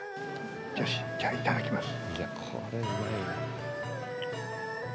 じゃあいただきます。